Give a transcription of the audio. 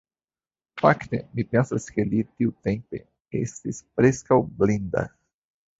Fakte, mi pensas ke li tiutempe estis preskaŭ blinda.